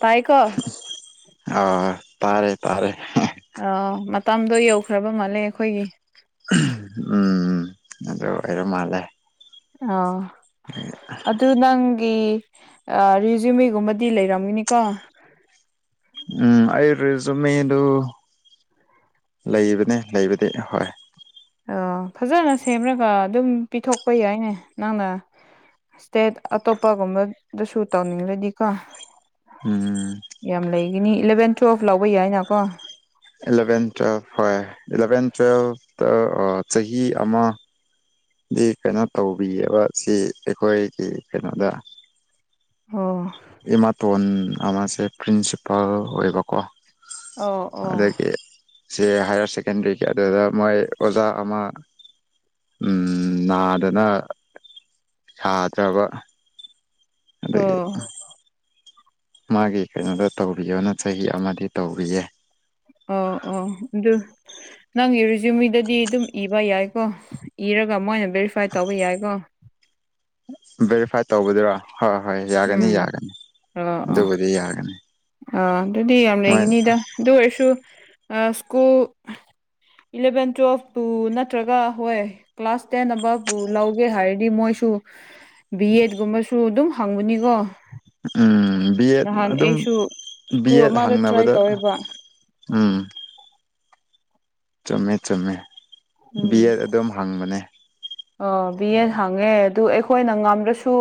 ꯇꯥꯏꯀꯣ ꯑ ꯇꯥꯔꯦ ꯇꯥꯔꯦ ꯍꯦ ꯑ ꯃꯇꯝꯗꯣ ꯌꯧꯈ꯭ꯔꯕ ꯃꯥꯜꯂꯦ ꯑꯩꯈꯣꯏꯒꯤ ꯎꯝ ꯑꯗꯨ ꯑꯣꯏꯔ ꯃꯥꯜꯂꯦ ꯑ ꯑꯗꯨ ꯅꯪꯒꯤ ꯑ ꯔꯤꯖꯨꯃꯤꯒꯨꯝꯕꯗꯤ ꯂꯩꯔꯝꯒꯤꯅꯤꯀꯣ ꯎꯝ ꯑꯩ ꯔꯤꯖꯨꯃꯤꯗꯨ ꯂꯩꯕꯅꯦ ꯂꯩꯕꯗꯤ ꯍꯣꯏ ꯑ ꯐꯖꯅ ꯁꯦꯝꯔꯒ ꯑꯗꯨꯝ ꯄꯤꯊꯣꯛꯄ ꯌꯥꯏꯅꯦ ꯅꯪꯅ ꯏꯁꯇꯦꯠ ꯑꯇꯣꯞꯄꯒꯨꯝꯕꯗꯁꯨ ꯇꯧꯅꯤꯡꯔꯗꯤꯀꯣ ꯎꯝ ꯌꯥꯝ ꯂꯩꯒꯤꯅꯤ ꯏꯂꯚꯦꯟ ꯇꯨꯋꯦꯜꯐ ꯂꯧꯕ ꯌꯥꯏꯅꯀꯣ ꯏꯂꯚꯦꯟ ꯇꯨꯋꯦꯜꯐ ꯍꯣꯏ ꯏꯂꯚꯦꯟ ꯇꯨꯋꯦꯜꯐꯇ ꯑ ꯆꯍꯤ ꯑꯃ ꯗꯤ ꯀꯩꯅꯣ ꯇꯧꯕꯤꯑꯕ ꯁꯤ ꯑꯩꯈꯣꯏꯒꯤ ꯀꯩꯅꯣꯗ ꯑꯣ ꯑꯦꯃꯥꯇꯣꯟ ꯑꯃꯁꯦ ꯄ꯭ꯔꯤꯟꯁꯤꯄꯜ ꯑꯣꯏꯕꯀꯣ ꯑꯣ ꯑꯣ ꯑꯗꯒꯤ ꯁꯤ ꯍꯥꯏꯌꯔ ꯁꯦꯀꯦꯟꯗꯔꯤꯒꯤ ꯑꯗꯨꯗ ꯃꯣꯏ ꯑꯣꯖꯥ ꯑꯃ ꯎꯝ ꯅꯥꯗꯅ ꯁꯥꯗ꯭ꯔꯕ ꯑꯣ ꯃꯥꯒꯤ ꯀꯩꯅꯣꯗꯣ ꯇꯧꯕꯤꯌꯣꯅ ꯆꯍꯤ ꯑꯃꯗꯤ ꯇꯧꯔꯤꯌꯦ ꯑ ꯑꯣ ꯗꯨ ꯅꯪꯒꯤ ꯔꯤꯖꯨꯃꯤꯗꯗꯤ ꯑꯗꯨꯝ ꯏꯕ ꯌꯥꯏꯀꯣ ꯏꯔꯒ ꯃꯣꯏꯅ ꯚꯦꯔꯤꯐꯥꯏ ꯇꯧꯕ ꯌꯥꯏꯀꯣ ꯚꯦꯔꯤꯐꯥꯏꯠ ꯇꯧꯕꯗꯨꯔꯣ ꯍꯣꯏ ꯍꯣꯏ ꯌꯥꯒꯅꯤ ꯎꯝ ꯌꯥꯒꯅꯤ ꯑꯗꯨꯕꯨꯗꯤ ꯌꯥꯒꯅꯤ ꯑ ꯑꯗꯨꯗꯤ ꯌꯥꯝ ꯃꯣꯏ ꯂꯩꯒꯅꯤꯗ ꯑꯗꯨ ꯑꯣꯏꯔꯁꯨ ꯑ ꯁ꯭ꯀꯨꯜ ꯏꯂꯕꯦꯟ ꯇꯨꯌꯦꯦꯜꯐꯄꯨ ꯅꯠꯇ꯭ꯔꯒ ꯍꯣꯏ ꯀ꯭ꯂꯥꯁ ꯇꯦꯟ ꯇꯝꯕꯕꯨ ꯂꯧꯒꯦ ꯍꯥꯏꯔꯗꯤ ꯃꯣꯏꯁꯨ ꯕꯤ ꯑꯦꯒꯨꯝꯕꯁꯨ ꯑꯗꯨꯝ ꯍꯪꯕꯅꯤꯀꯣ ꯎꯝ ꯕꯤꯑꯦꯠ ꯅꯍꯥꯟ ꯑꯗꯨꯝ ꯑꯩꯁꯨ ꯕꯤ ꯁ꯭ꯀꯨꯜ ꯑꯦꯠ ꯑꯃꯗ ꯇ꯭ꯔꯥꯏ ꯍꯪꯅꯕꯗ ꯇꯧꯋꯦꯕ ꯎꯝ ꯆꯨꯝꯃꯦ ꯆꯨꯝꯃꯦ ꯕꯤ ꯎꯝ ꯑꯦꯠ ꯑꯗꯨꯝ ꯍꯪꯕꯅꯦ ꯑ ꯕꯤꯌꯦꯟ ꯍꯪꯉꯦ ꯑꯗꯨ ꯑꯩꯈꯣꯏꯅ ꯉꯝꯗ꯭ꯔꯁꯨ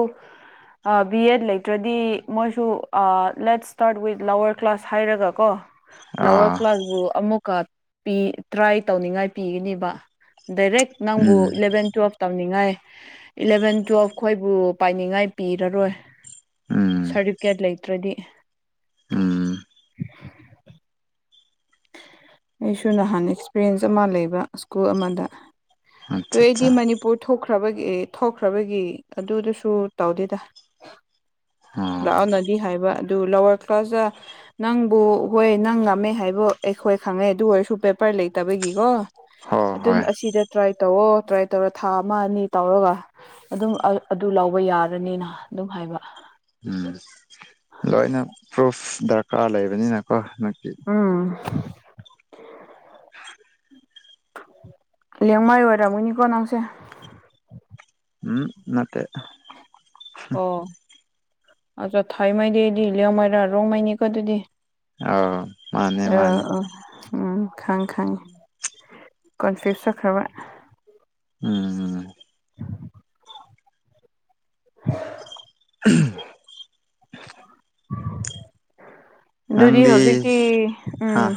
ꯑ ꯕꯤ ꯌꯦꯗ ꯂꯩꯇ꯭ꯔꯗꯤ ꯃꯣꯏꯁꯨ ꯑ let's start with lower class ꯍꯥꯏꯔꯒ ꯀꯣ ꯂꯋꯥꯔ ꯑꯥ ꯀ꯭ꯂꯥꯁꯕꯨ ꯑꯃꯨꯛꯀ ꯄꯤ ꯇ꯭ꯔꯥꯏ ꯇꯧꯅꯤꯡꯉꯥꯏ ꯄꯤꯒꯅꯤꯕ ꯗꯥꯏꯔꯦꯛ ꯅꯪꯕꯨ ꯎꯝ ꯏꯂꯕꯦꯟ ꯇꯨꯋꯦꯜꯐ ꯇꯝꯅꯤꯡꯉꯥꯏ ꯏꯂꯚꯦꯟ ꯇꯨꯋꯦꯜꯐ ꯈꯈꯣꯏꯕꯨ ꯄꯥꯏꯅꯤꯡꯉꯥꯏ ꯄꯤꯔꯔꯣꯏ ꯎꯝ ꯁꯥꯔꯗꯤꯞꯀꯦꯠ ꯂꯩꯇ꯭ꯔꯗꯤ ꯎꯝ ꯑꯩꯁꯨ ꯅꯍꯥꯟ ꯑꯦꯛꯁꯄꯤꯔꯤꯌꯦꯟꯁ ꯑꯃ ꯂꯩꯕ ꯁ꯭ꯀꯨꯜ ꯑꯃꯗ ꯑꯗꯨ ꯑꯠꯆꯥ ꯑꯩꯗꯤ ꯑꯠꯆꯥ ꯃꯅꯤ ꯄꯨꯔꯊꯣꯛꯈ꯭ꯔꯕꯒꯤ ꯑꯦ ꯊꯣꯛꯈ꯭ꯔꯕꯒꯤ ꯑꯗꯨꯗꯨꯁꯨ ꯇꯧꯗꯦꯗ ꯑꯥ ꯂꯥꯛꯑꯣꯅꯗꯤ ꯍꯥꯏꯕ ꯑꯗꯨ ꯂꯧꯔꯛ ꯄꯖ ꯅꯪꯕꯨ ꯍꯣꯏ ꯅꯪ ꯉꯝꯃꯦ ꯍꯥꯏꯕꯨ ꯑꯩꯈꯣꯏ ꯈꯪꯉꯦ ꯑꯗꯨ ꯑꯣꯏꯔꯁꯨ ꯄꯦꯄꯔ ꯂꯩꯇꯕꯒꯤꯀꯣ ꯍꯣꯏ ꯑꯗꯨꯝ ꯍꯣꯏ ꯑꯁꯤꯗ ꯇ꯭ꯔꯥꯏ ꯇꯧꯑꯣ ꯇ꯭ꯔꯥꯏ ꯇꯧꯔ ꯊꯥ ꯑꯃ ꯑꯅꯤ ꯇꯧꯔꯒ ꯑꯗꯨꯝ ꯑꯗꯨ ꯂꯧꯕ ꯌꯥꯔꯅꯤꯅ ꯑꯗꯨꯝ ꯍꯥꯏꯕ ꯎꯝ ꯂꯣꯏꯅ ꯄ꯭ꯔꯨꯐ ꯗꯔꯀꯥꯔ ꯂꯩꯕꯅꯤꯅꯀꯣ ꯍꯟꯅꯛꯇꯤ ꯎꯝ ꯂꯦꯡꯃꯥꯏ ꯑꯣꯏꯔꯝꯒꯅꯤꯀꯣ ꯅꯪꯁꯦ ꯎꯝ ꯅꯠꯇꯦ ꯑꯣ ꯑꯆꯥꯥ ꯊꯩ ꯃꯩꯗꯤꯗꯤ ꯂꯦꯎꯃꯥꯏꯔ ꯔꯣꯡꯃꯥꯏꯅꯤ ꯀꯣ ꯑꯗꯨꯤꯗꯤ ꯑꯥꯎ ꯃꯥꯅꯦ ꯃꯥꯅꯦ ꯎꯝ ꯈꯪ ꯈꯪꯉꯤ ꯀꯟꯐ꯭ꯌꯨꯁ ꯆꯈ꯭ꯔꯕ ꯎꯝ ꯎꯝ [inaudible] [unintelligible] [unintelligible] ꯑꯗꯨꯗꯤ ꯅꯪꯗꯤ ꯍꯧꯖꯤꯛꯇꯤ ꯍꯥ ꯎꯝ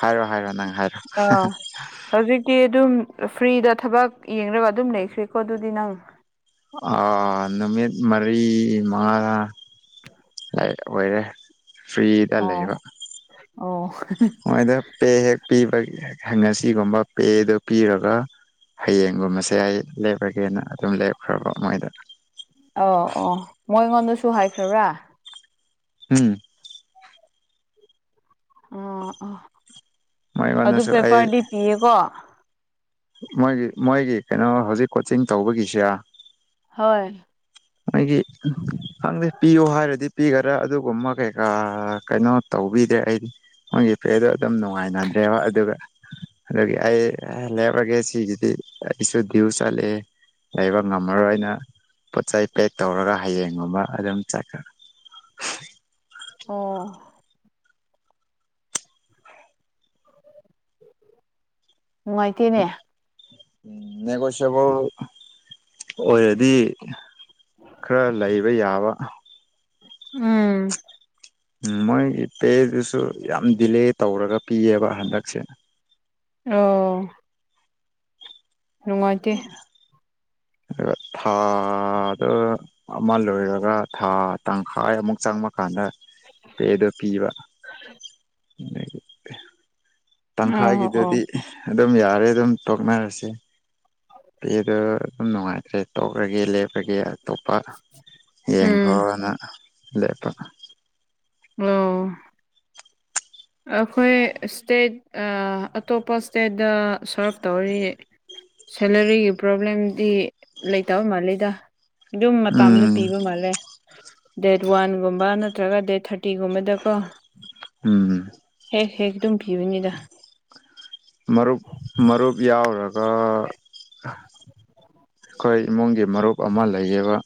ꯍꯥꯏꯔꯣ ꯍꯥꯏꯔꯣ ꯅꯪ ꯍꯥꯏꯔꯣ ꯑꯥ ꯍꯧꯖꯤꯛꯇꯤ ꯑꯗꯨꯝ ꯐ꯭ꯔꯤꯗ ꯊꯕꯛ ꯌꯦꯡꯒ ꯑꯗꯨꯝ ꯂꯩꯈ꯭ꯔꯦꯀꯣ ꯑꯗꯨꯗꯤ ꯅꯪ ꯑꯥ ꯅꯨꯃꯤꯠ ꯃꯔꯤ ꯃꯉꯥ ꯂꯩ ꯑꯣꯏꯔꯦ ꯐ꯭ꯔꯤꯗ ꯑꯣ ꯂꯩꯕ ꯑꯣ ꯑꯗ ꯄꯦ ꯍꯦꯛ ꯄꯤꯕ ꯉꯁꯤꯒꯨꯝꯕ ꯄꯦꯗ ꯄꯤꯔꯒ ꯍꯌꯦꯡꯒꯨꯝꯕꯁꯦ ꯑꯩ ꯂꯦꯞꯄꯒꯦꯅ ꯑꯗꯨꯝ ꯂꯦꯞꯈ꯭ꯔꯕ ꯃꯣꯏꯗ ꯑꯧ ꯑꯣ ꯃꯣꯏ ꯑꯩꯉꯣꯟꯗꯁꯨ ꯍꯥꯏꯈ꯭ꯔꯕ꯭ꯔꯥ ꯎꯝ ꯑꯣ ꯑ ꯑꯗꯨ ꯃꯣꯏꯉꯣꯟꯗꯁꯨ ꯑꯩ ꯄꯦꯄꯔꯗꯤ ꯄꯤꯌꯦꯀꯣ ꯃꯣꯏꯒꯤ ꯃꯣꯏꯒꯤ ꯀꯩꯅꯣ ꯍꯧꯖꯤꯛ ꯀꯣꯆꯤꯡ ꯇꯧꯕꯒꯤꯁꯦ ꯍꯣꯏ ꯑꯩꯒꯤ ꯈꯪꯗꯦ ꯄꯤꯌꯨ ꯍꯥꯏꯔꯗꯤ ꯄꯤꯒꯔ ꯑꯗꯨꯒꯨꯝꯕ ꯀꯩꯀꯥ ꯀꯩꯅꯣ ꯇꯧꯕꯤꯗ꯭ꯔꯦ ꯑꯩꯗꯤ ꯃꯣꯏꯒꯤ ꯄꯦꯗꯣ ꯑꯗꯨꯝ ꯅꯨꯡꯉꯥꯏꯅꯗ꯭ꯔꯦꯕ ꯑꯗꯨꯒ ꯑꯗꯒꯤ ꯑꯩ [unintelligible] ꯁꯤꯒꯤꯗꯤ ꯏꯁꯇꯨꯗꯤꯑꯣ ꯆꯂꯦ ꯂꯩꯕ ꯉꯝꯃꯔꯣꯏꯅ ꯄꯣꯠ ꯆꯩ ꯄꯦꯛ ꯇꯧꯔꯒ ꯍꯌꯦꯡꯒꯨꯝꯕ ꯑꯗꯨꯝ ꯆꯠꯈ ꯑꯣ ꯅꯨꯡꯉꯥꯏꯇꯦꯅꯦ ꯅꯦꯒꯣꯁꯦꯕꯜ ꯑꯣꯏꯔꯗꯤ ꯈꯔ ꯂꯩꯕ ꯌꯥꯕ ꯎꯝ ꯎꯝ ꯃꯣꯏꯒꯤ ꯄꯦꯗꯨꯁꯨ ꯌꯥꯝ ꯗꯤꯂꯦ ꯇꯧꯔꯒ ꯄꯤꯌꯦꯕ ꯍꯟꯗꯛꯁꯦ ꯑꯣ ꯅꯨꯡꯉꯥꯏꯇꯦ ꯑꯗ ꯊꯥꯗ ꯑꯃ ꯂꯣꯏꯔꯒ ꯊꯥ ꯇꯪꯈꯥꯏ ꯑꯃꯨꯛ ꯆꯪꯕꯀꯥꯟꯗ ꯄꯦꯗꯣ ꯄꯤꯕ [inaudible] ꯑꯣ ꯑꯣ ꯇꯪꯈꯥꯏꯒꯤꯗꯗꯤ ꯑꯗꯨꯝ ꯌꯥꯔꯦ ꯑꯗꯨꯝ ꯇꯣꯛꯅꯔꯁꯦ ꯄꯗꯣ ꯑꯗꯨꯝ ꯅꯨꯡꯉꯥꯏꯇ꯭ꯔꯦ ꯇꯧꯛꯑꯒꯦ ꯂꯦꯞꯄꯒꯦ ꯑꯇꯣꯞꯄ ꯎꯝ ꯌꯦꯡꯈ꯭ꯔꯣꯅ ꯂꯦꯞꯄ ꯑꯣ ꯑꯩꯈꯣꯏ ꯏꯁꯇꯦꯠ ꯑꯥ ꯑꯇꯣꯞꯄ ꯏꯁꯇꯦꯠꯇ ꯁꯔꯐ ꯇꯧꯔꯤ ꯁꯦꯂꯔꯤꯒꯤ ꯄ꯭ꯔꯣꯕ꯭ꯂꯦꯝꯗꯤ ꯂꯩꯇꯕ ꯃꯥꯜꯂꯤꯗ ꯑꯗꯨꯝ ꯃꯇꯝꯗꯥ ꯎꯝ ꯄꯤꯕ ꯃꯥꯜꯂꯦ ꯗꯦꯠ ꯋꯥꯟꯒꯨꯝꯕ ꯅꯠꯇ꯭ꯔꯒ ꯗꯦꯠ ꯊꯥꯔꯇꯤꯒꯨꯝꯕꯗꯀꯣ ꯎꯝ ꯍꯦꯛ ꯍꯦꯛ ꯑꯗꯨꯝ ꯄꯤꯕꯅꯤꯗ ꯃꯔꯨꯞ ꯃꯔꯨꯞ ꯌꯥꯎꯔꯔꯒ ꯑꯩꯈꯣꯏ ꯏꯃꯨꯡꯒꯤ ꯃꯔꯨꯞ ꯑꯃ ꯂꯩꯌꯦꯕ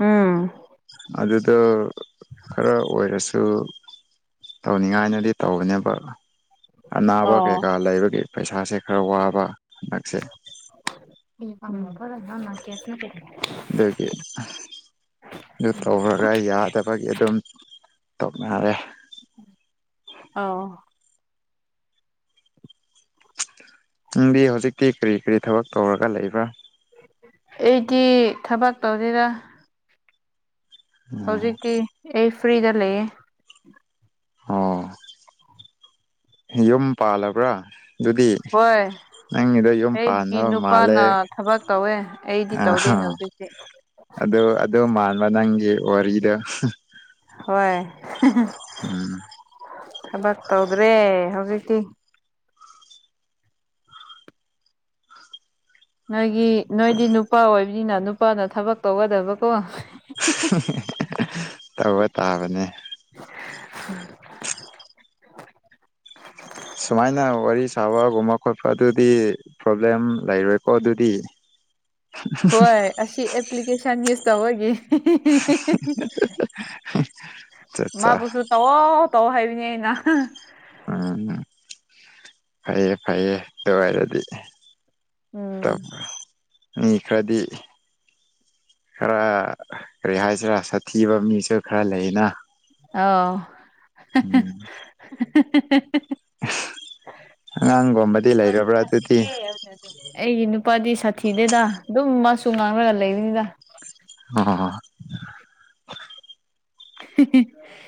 ꯎꯝ ꯑꯗꯨꯗꯣ ꯈꯔ ꯑꯣꯏꯔꯁꯨ ꯇꯧꯅꯤꯡꯉꯥꯏꯅꯗꯤ ꯇꯧꯕꯅꯦꯕ ꯑꯅꯥꯕ ꯀꯩꯀꯥ ꯑꯥꯎ ꯂꯩꯕꯒꯤ ꯄꯩꯁꯥꯁꯦ ꯈꯔ ꯋꯥꯕ ꯍꯟꯗꯛꯁꯦ [unintelligible] ꯑꯗꯒꯤ ꯑꯗꯨ ꯇꯧꯔꯒ ꯌꯥꯗꯕꯒꯤ ꯑꯗꯨꯝ ꯇꯧꯅꯔꯦ ꯑꯥꯎ ꯅꯪꯗꯤ ꯍꯧꯖꯤꯛꯇꯤ ꯀꯔꯤ ꯀꯔꯤ ꯊꯕꯛ ꯇꯧꯔꯒ ꯂꯩꯕ꯭ꯔꯥ ꯑꯩꯗꯤ ꯊꯕꯛ ꯇꯧꯗꯣꯗ ꯎꯝ ꯍꯧꯖꯤꯛꯇꯤ ꯑꯩ ꯐ꯭ꯔꯤꯗ ꯂꯩꯌꯦ ꯑꯣ ꯌꯨꯝ ꯄꯥꯜꯂꯕ꯭ꯔꯥ ꯗꯨꯕꯤ ꯍꯣꯏ ꯑꯩꯒꯤ ꯃꯥꯜꯂꯦ ꯅꯨꯄꯥꯅ ꯊꯕꯛ ꯇꯧꯋꯦ ꯑꯩꯗꯤ ꯇꯧꯗꯦ ꯑꯥ ꯍꯧꯖꯤꯛꯇꯤ ꯑꯗꯨ ꯑꯗꯨ ꯃꯥꯟꯕ ꯅꯪꯒꯤ ꯋꯥꯔꯤꯗꯣ ꯍꯣꯏ ꯎꯝ ꯊꯕꯥꯛ ꯇꯧꯗ꯭ꯔꯦ ꯍꯧꯖꯤꯛꯇꯤ ꯅꯣꯏꯒꯤ ꯅꯣꯏꯗꯤ ꯅꯨꯄꯥ ꯑꯣꯏꯕꯅꯤꯅ ꯅꯨꯄꯥꯅ ꯊꯕꯛ ꯇꯧꯒꯗꯕꯀꯣ ꯇꯧꯕ ꯇꯥꯕꯅꯦ [inaudible] ꯁꯨꯃꯥꯏꯅ ꯋꯥꯔꯤ ꯁꯥꯕꯒꯨꯝꯕ ꯈꯣꯠꯄ ꯑꯗꯨꯗꯤ ꯄ꯭ꯔꯣꯕ꯭ꯂꯦꯝ ꯂꯩꯔꯣꯏꯀꯣ ꯑꯗꯨꯗꯤ ꯍꯣꯏ ꯑꯁꯤ ꯑꯦꯄ꯭ꯂꯤꯀꯦꯁꯟ ꯌꯨꯁ ꯇꯧꯕꯒꯤ [inaudible] ꯑꯠꯆꯥ ꯑꯠꯆꯥ ꯃꯥꯕꯨꯁꯨ ꯇꯧꯑꯣ ꯇꯧꯑꯣ ꯍꯥꯏꯕꯅꯦ ꯑꯩꯅ ꯎꯝ ꯐꯩꯌꯦ ꯐꯩꯌꯦ ꯑꯗꯨ ꯑꯣꯏꯔꯗꯤ ꯇꯥ ꯎꯝ ꯃꯤ ꯈꯔꯗꯤ ꯈꯔ ꯀꯔꯤ ꯍꯥꯏꯁꯤꯔꯥ ꯁꯥꯊꯤꯕ ꯃꯤꯁꯨ ꯈꯔ ꯂꯩꯌꯦꯅ ꯑꯣ ꯑꯉꯥꯡꯒꯨꯝꯕꯗꯤ ꯂꯩꯔꯕ꯭ꯔꯥ ꯑꯗꯨꯗꯤ ꯊꯦ ꯑꯩꯒꯤ ꯅꯨꯄꯥꯗꯤ ꯁꯥꯊꯤꯗꯦꯗ ꯑꯗꯨꯝ ꯃꯁꯨ ꯉꯥꯡꯂꯒ ꯂꯩꯔꯤꯅꯤꯗ [unintelligible] [unintelligible]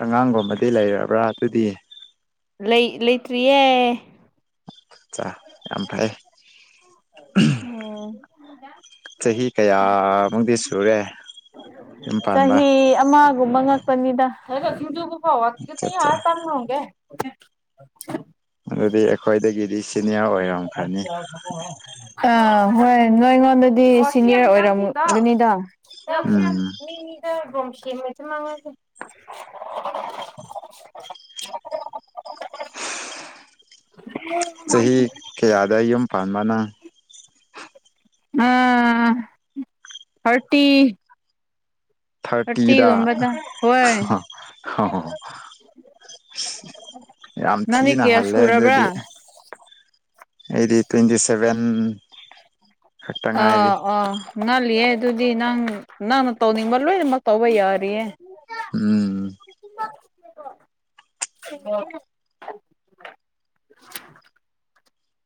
ꯑꯉꯥꯡꯒꯨꯝꯕꯗꯤ ꯂꯩꯔꯕ꯭ꯔꯥ ꯑꯗꯨꯗꯤ ꯂꯩ ꯂꯩꯇ꯭ꯔꯤꯌꯦ ꯑꯠꯆꯥ ꯌꯥꯝ ꯐꯩ ꯑꯣ ꯆꯍꯤ ꯀꯌꯥꯃꯨꯛꯗꯤ ꯁꯨꯔꯦ ꯌꯨꯝ ꯄꯥꯟꯕ ꯀꯨꯟꯃꯉꯥꯇꯅꯤꯗ ꯑꯠꯆꯥ ꯑꯠꯆꯥ [unintelligible] ꯑꯗꯨꯗꯤ ꯑꯩꯈꯣꯏꯗꯒꯤꯗꯤ ꯁꯤꯅꯤꯌꯔ ꯑꯣꯏꯔꯝꯈ꯭ꯔꯅꯤ ꯍꯣꯏ ꯅꯣꯏ ꯑꯩꯉꯣꯟꯗꯗꯤ ꯁꯤꯅꯤꯌꯔ ꯑꯣꯏꯔꯝꯒꯅꯤꯗ ꯂꯧꯁ꯭ꯌ ꯎꯝ ꯃꯤꯃꯤ [unintelligible] ꯃꯩꯊꯅ ꯃꯒꯤ [unintelligible] [unintelligible] ꯆꯍꯤ ꯀꯌꯥꯗ ꯌꯨꯝ ꯄꯥꯟꯕꯅ ꯑ ꯍꯔꯇꯤ ꯊꯥꯔꯇꯤꯗ ꯍꯣꯏ ꯌꯥꯝ ꯅꯪꯗꯤ ꯊꯤꯅ ꯀꯌꯥ ꯍꯜꯂꯦ ꯁꯨꯔꯕ꯭ꯔꯥ ꯑꯗꯨꯗꯤ ꯑꯩꯗꯤ ꯇ꯭ꯋꯦꯟꯇꯤ ꯁꯚꯦꯟ ꯑ ꯑꯣ ꯉꯜꯂꯤꯌꯦꯦ ꯑꯗꯨꯗꯤ ꯅꯪ ꯅꯪꯅ ꯇꯧꯅꯤꯡꯕ ꯂꯣꯏꯅꯃꯛ ꯇꯧꯕ ꯌꯥꯔꯤꯌꯦ ꯎꯝ ꯏꯃꯥ [unintelligible] ꯑꯣ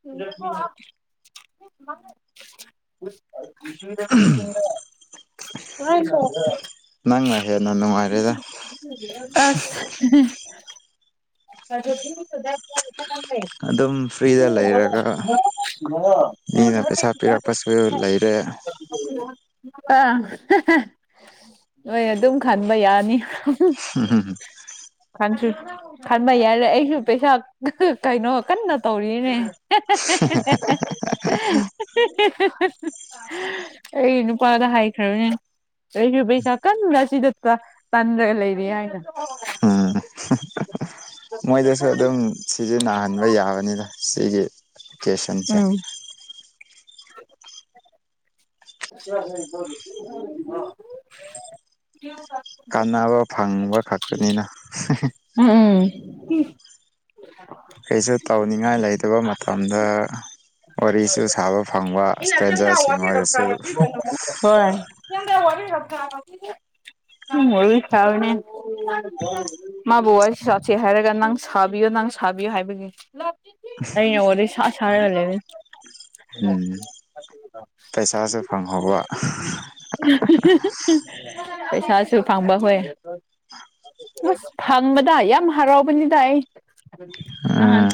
[unintelligible] [unintelligible] ꯉꯥꯏꯈꯣ ꯅꯪꯅ ꯍꯦꯟꯅ ꯅꯨꯡꯉꯥꯏꯔꯦꯗ ꯑꯁ [unintelligible] ꯑꯗꯨꯝ ꯐ꯭ꯔꯤꯗ ꯂꯩꯔꯒ ꯃꯤꯅ ꯄꯩꯁꯥ ꯄꯤꯔꯛꯄꯁꯨ ꯂꯩꯔꯦ [unintelligible] ꯑꯥ ꯅꯣꯏ ꯑꯗꯨꯝ ꯈꯟꯕ ꯌꯥꯅꯤ [unintelligible] ꯈꯟꯁꯨ ꯈꯟꯕ ꯌꯥꯔꯦ ꯑꯩꯁꯨ ꯄꯩꯁꯥ ꯀꯩꯅꯣ ꯀꯟꯅ ꯇꯧꯔꯤ ꯕꯤꯅꯦ ꯑꯩ ꯅꯨꯄꯥꯗ ꯍꯥꯏꯈ꯭ꯔꯕꯅꯦ ꯑꯩꯁꯨ ꯄꯩꯁꯥ ꯀꯟꯅ ꯑꯁꯤꯗ ꯇ ꯇꯥꯟꯔꯒ ꯂꯩꯔꯤ ꯍꯥꯏꯅ ꯎꯝ ꯃꯣꯏꯗꯁꯨ ꯑꯗꯨꯝ ꯁꯤꯖꯤꯟꯅꯍꯟꯕ ꯌꯥꯕꯅꯤꯗ ꯁꯤꯒꯤ ꯀꯦꯁꯟꯆꯦ ꯎꯝ [unintelligible] [unintelligible] ꯀꯥꯟꯅꯕ ꯐꯪꯕ ꯈꯛꯇꯅꯤꯅ ꯎꯝ ꯎꯝ ꯎꯝ ꯀꯩꯁꯨ ꯇꯧꯅꯤꯡꯉꯥꯏ ꯂꯩꯇꯕ ꯃꯇꯝꯗ ꯋꯥꯔꯤꯁꯨ ꯁꯥꯕ ꯐꯪꯕ ꯏꯁꯇ꯭ꯔꯦꯟꯖꯔꯁꯤꯡ ꯑꯣꯏꯔꯁꯨ ꯍꯣꯏ ꯁꯣꯝꯗ ꯋꯥꯔꯤ ꯉꯥꯛ ꯁꯥꯟꯅꯈꯤꯒꯦ ꯋꯥꯔꯤ ꯁꯥꯔꯤꯅꯦ ꯃꯥꯕꯨ ꯋꯥꯔꯤ ꯁꯥꯠꯁꯦ ꯍꯥꯏꯔꯒ ꯅꯪ ꯁꯥꯕꯤꯌꯣ ꯅꯪ ꯁꯥꯕꯤꯌꯣ ꯍꯥꯏꯕꯒꯤ ꯑꯩꯅ ꯋꯥꯔꯤ ꯁꯥ ꯁꯔꯒ ꯂꯩꯕꯅꯦ ꯎꯝ ꯄꯩꯁꯥꯁꯨ ꯐꯪꯍꯧꯕ ꯄꯩꯁꯥꯁꯨ ꯐꯪꯕ ꯍꯣꯏ ꯑꯁ ꯐꯪꯕꯗ ꯌꯥꯝ ꯍꯔꯥꯎꯕꯅꯤꯗ ꯑꯩ ꯅꯍꯥꯟ ꯎꯝ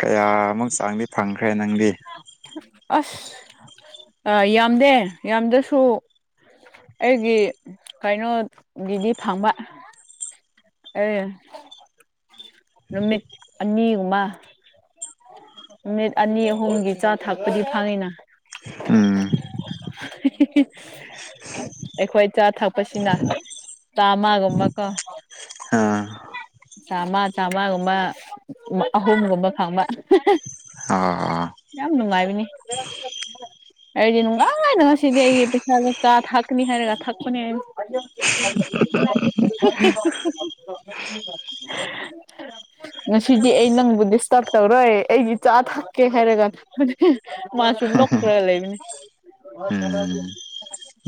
ꯄꯥꯏꯅꯨ ꯑꯃꯨꯛ ꯆꯥꯡꯗꯤ ꯐꯪꯈ꯭ꯔꯦ ꯅꯪꯗꯤ ꯑꯁ ꯑ ꯌꯥꯝꯗꯦ ꯌꯥꯝꯗ꯭ꯔꯁꯨ ꯑꯩꯒꯤ ꯀꯩꯅꯣꯒꯤꯗꯤ ꯐꯪꯕ ꯑꯦ ꯅꯨꯃꯤꯠ ꯑꯅꯤꯎꯃ ꯃꯤꯠ ꯑꯅꯤ ꯑꯍꯨꯝꯒꯤ ꯆꯥ ꯊꯥꯛꯄꯗꯤ ꯐꯪꯏꯤꯅ ꯎꯝ [unintelligible] ꯑꯩꯈꯣꯏ ꯆꯥ ꯊꯛꯄꯁꯤꯅ ꯆꯥꯝꯃꯒꯨꯝꯕꯀꯣ ꯑꯥ ꯆꯥꯝꯃ ꯆꯥꯝꯃꯒꯨꯝꯕ ꯑꯍꯨꯝꯒꯨꯝꯕ ꯐꯪꯕ ꯑ ꯑꯥ ꯌꯥꯝ ꯅꯨꯡꯉꯥꯏꯕꯅꯤ ꯑꯩꯗꯤ ꯅꯨꯡꯗꯥꯥꯡꯉꯥꯏꯅ ꯉꯁꯤꯗꯤ ꯑꯩꯒꯤ ꯄꯩꯁꯥꯗ ꯆꯥ ꯊꯛꯀꯅꯤ ꯍꯥꯏꯔꯒ ꯊꯛꯄꯅꯦ [unintelligible] ꯉꯁꯤꯗꯤ ꯑꯩ ꯅꯪꯕꯨ ꯗꯤꯁꯇꯔꯕ ꯇꯧꯔꯣꯏ ꯑꯩꯒꯤ ꯆꯥ ꯊꯛꯀꯦ ꯍꯥꯏꯔꯒ ꯃꯥꯁꯨ ꯅꯣꯛꯈ꯭ꯔꯒ ꯂꯩꯕꯅꯦ ꯎꯝ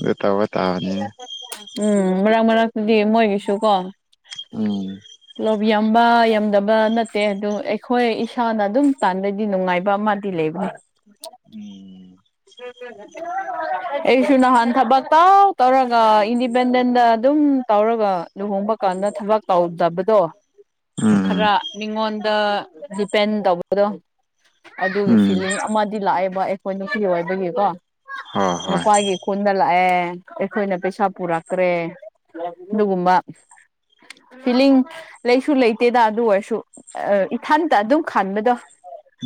ꯑꯗꯨ ꯇꯕ ꯇ ꯎꯝ ꯃꯔꯛ ꯃꯔꯛꯇꯗꯤ ꯃꯣꯏꯒꯤꯁꯨ ꯀꯣ ꯎꯝ ꯂꯧꯕ ꯌꯥꯝꯕ ꯌꯥꯝꯗꯕ ꯅꯠꯇꯦ ꯑꯗꯨ ꯑꯩꯈꯣꯏ ꯏꯁꯥꯅ ꯑꯗꯨꯝ ꯇꯥꯟꯕꯩꯗꯤ ꯅꯨꯡꯉꯥꯏꯕ ꯑꯃ ꯂꯩꯕ ꯎꯝ ꯑꯩꯁꯨꯅꯍꯥꯟ ꯊꯕꯛ ꯇꯥꯎ ꯇꯧꯔꯒ ꯏꯟꯗꯤꯄꯦꯟꯗꯦꯟꯗ ꯑꯗꯨꯝ ꯇꯧꯔꯒ ꯂꯨꯍꯣꯡꯕ ꯀꯥꯟꯗ ꯊꯕꯛ ꯇꯧꯗꯕꯗꯣ ꯈꯔ ꯃꯤꯉꯣꯟꯗ ꯗꯤꯄꯦꯟ ꯇꯧꯕꯗꯣ ꯑꯗꯨꯒꯤ ꯎꯝ ꯐꯤꯂꯤꯡ ꯑꯃꯗꯤ ꯂꯥꯛꯑꯦꯕ ꯑꯩꯈꯣꯏ ꯅꯨꯄꯤ ꯑꯣꯏꯕꯒꯤꯀꯣ ꯍꯣꯏ ꯍꯣꯏ ꯅꯨꯄꯥꯒꯤ ꯈꯨꯟꯗ ꯂꯥꯛꯑꯦ ꯑꯩꯈꯣꯏꯅ ꯄꯩꯁꯥ ꯄꯨꯔꯛꯈ꯭ꯔꯦ ꯑꯗꯨꯒꯨꯝꯕ ꯐꯤꯂꯤꯡ ꯂꯩꯁꯨ ꯂꯩꯇꯦꯗ ꯑꯗꯨ ꯑꯣꯏꯔꯁꯨ ꯏꯊꯟꯇ ꯑꯗꯨꯝ ꯈꯟꯥꯟꯕꯗꯣ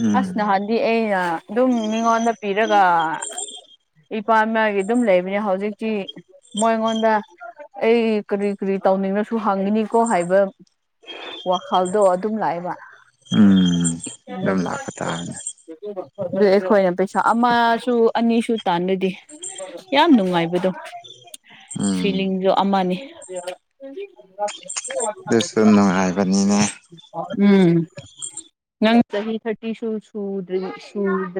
ꯎꯝ ꯑꯁ ꯅꯍꯥꯟꯗꯤ ꯑꯩꯅ ꯑꯗꯨꯝ ꯃꯤꯉꯣꯟꯗ ꯄꯤꯔꯒ ꯏꯄꯥ ꯃꯌꯥꯒꯤ ꯑꯗꯨꯝ ꯂꯩꯕꯅꯤ ꯍꯧꯖꯤꯛꯇꯤ ꯃꯣꯏꯉꯣꯟꯗ ꯑꯩ ꯀꯔꯤ ꯀꯔꯤ ꯇꯧꯅꯤꯡꯅꯁꯨ ꯍꯪꯉꯤꯅꯤꯀꯣ ꯍꯥꯏꯕ ꯋꯥꯈꯜꯗꯣ ꯑꯗꯨꯝ ꯂꯥꯛꯑꯦꯕ ꯎꯝ ꯎꯝ ꯑꯗꯨꯝ ꯂꯥꯛꯄ ꯇꯥꯔꯅꯦ ꯑꯗꯨ ꯑꯩꯈꯣꯏꯅ ꯄꯩꯁꯥ ꯑꯃꯁꯨ ꯑꯅꯤ ꯁ ꯇꯥꯟꯗꯗꯤ ꯌꯥꯝ ꯅꯨꯡꯉꯥꯏꯕꯗꯣ ꯎꯝ ꯐꯤꯂꯤꯡꯁꯨ ꯑꯃꯅꯤ ꯑꯗꯨꯁꯨ ꯅꯨꯡꯉꯥꯏꯕꯅꯤꯅꯦ ꯎꯝ ꯅꯪ ꯆꯍꯤ ꯊꯇꯤꯁꯨ ꯁꯨꯗ꯭ꯔ ꯁꯨꯗ꯭ꯔ